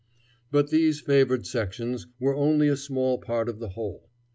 But these favored sections were only a small part of the whole.